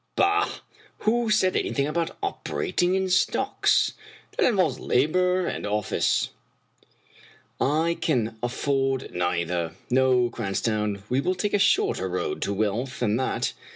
Bah ! who said anything about operating in stocks ? That involves labor and an office. I can afford neither. No, Cranstoun, we will take a shorter road to wealth than that.